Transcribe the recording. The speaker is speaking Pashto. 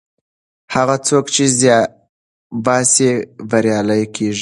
هغه څوک چې زیار باسي بریالی کیږي.